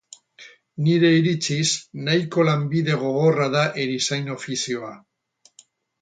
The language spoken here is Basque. Nire iritziz, nahiko lanbide gogorra da erizain ofizioa.